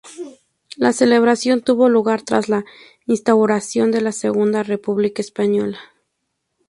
La celebración tuvo lugar tras la instauración de la Segunda República española.